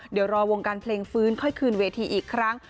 เดี๋ยวรอวงการเพลงฟื้นค่อยคืนเวทีอีกครั้ง